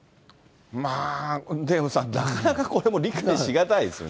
まあ、デーブさん、なかなかこれも理解し難いですよね。